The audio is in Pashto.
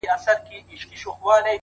مسلمان بايد هر وخت جهاد ته اماده وي.